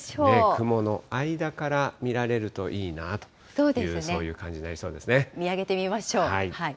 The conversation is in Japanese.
雲の間から見られるといいなという、そういう感じになりそう見上げてみましょう。